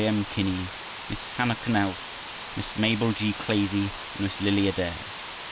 M. Kinney, Miss Hannah Connell, Miss Mabel G. Clazie, and Miss Lily Adair.